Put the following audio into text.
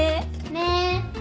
ねえ。